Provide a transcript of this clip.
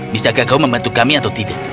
bisakah kau membantu kami atau tidak